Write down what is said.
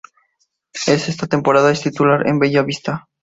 En esa temporada es titular en Bella Vista.